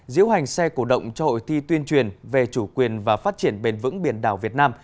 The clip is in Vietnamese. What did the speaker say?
diễu hành xe cổ động cho hội thi tuyên truyền về chủ quyền và phát triển bền vững biển đảo việt nam